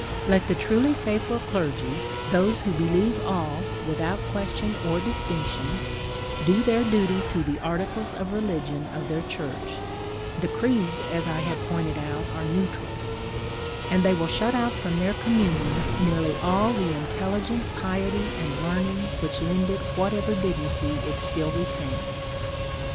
Let the truly faithful clergy, those who believe all without question or distinction, do their duty to the Articles of religion of their Church (the Creeds, as I have pointed out, are neutral), and they will shut out from their Communion nearly all the intelligent piety and learning which lend it whatever dignity it still retains.